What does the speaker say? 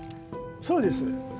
そうです。